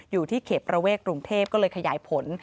อยู่ที่เขตประเวทกรุงเทพก็เลยขยายผล